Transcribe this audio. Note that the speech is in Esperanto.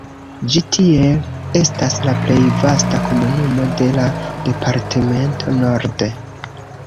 Ĝi tiel estas la plej vasta komunumo de la departemento Nord.